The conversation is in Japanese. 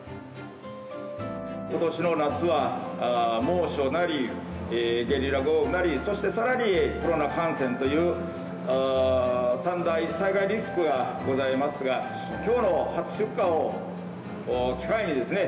ことしの夏は、猛暑なり、ゲリラ豪雨なり、そしてさらにコロナ感染という３大災害リスクがございますが、きょうの初出荷を機会にですね、